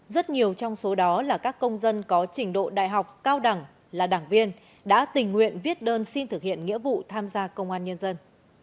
rất nhiều trong số đó là các công dân có trình độ đại học cao đẳng là đảng viên đã tình nguyện viết đơn xin thực hiện nghĩa vụ tham gia công an nhân dân